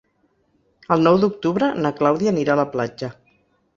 El nou d'octubre na Clàudia anirà a la platja.